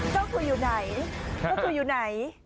เจ้าตัวอยู่ไหนเจ้าครูอยู่ไหน